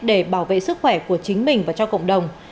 để bảo vệ sức khỏe của chính mình và cho cộng đồng